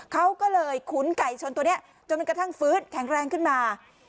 เขาก็เลยขุนไก่ชนตัวนี้จนกระทั่งฟื้นแข็งแรงขึ้นมา